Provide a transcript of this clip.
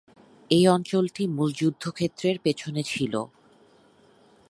এই অঞ্চলটি মূল যুদ্ধক্ষেত্রের পেছনে ছিল।